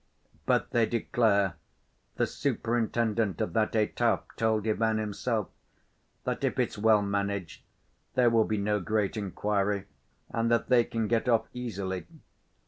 "But they declare—the superintendent of that étape told Ivan himself—that if it's well managed there will be no great inquiry, and that they can get off easily.